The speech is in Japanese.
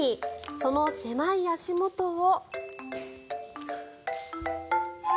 その狭い足元を。